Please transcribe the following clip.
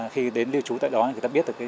khi đến lưu trú tại đó thì người ta biết được